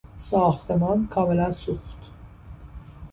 ساختمان کاملا سوخت.